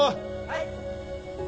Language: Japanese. はい！